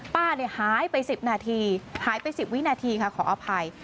ป้าหายไป๑๐นาทีหายไป๑๐วินาทีค่ะขออภัย